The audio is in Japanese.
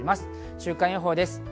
週間予報です。